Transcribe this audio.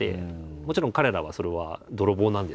もちろん彼らはそれは泥棒なんですけど。